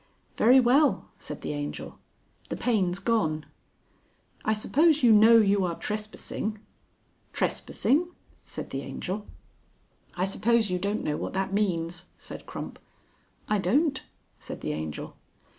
"Very well," said the Angel. "The pain's gone." "I suppose you know you are trespassing?" "Trespassing!" said the Angel. "I suppose you don't know what that means," said Crump. "I don't," said the Angel.